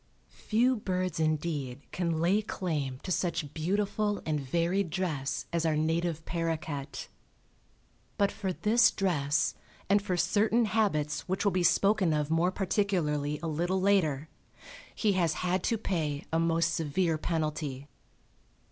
Few birds indeed can lay claim to such beautiful and varied dress as our native paroquet. But for this dress and for certain habits which will be spoken of more particularly a little later, he has had to pay a most severe penalty.